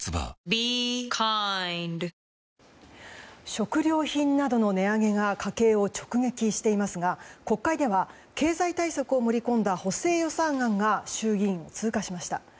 食料品などの値上げが家計を直撃していますが国会では経済対策を盛り込んだ補正予算案が衆議院を通過しました。